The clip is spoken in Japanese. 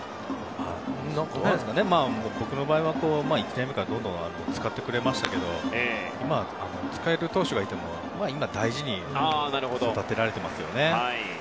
僕の場合は１年目からどんどん使ってくれましたけど今は使える投手がいても大事に育てられてますよね。